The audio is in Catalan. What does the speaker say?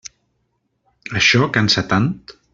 Això cansa tant?